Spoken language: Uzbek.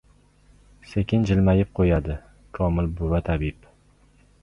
Sekin jilmayib qo‘yadi. Komil buva - tabib.